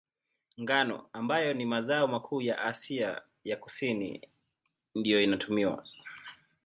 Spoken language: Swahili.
Ngano, ambayo ni mazao makuu Asia ya Kusini, ndiyo inayotumiwa.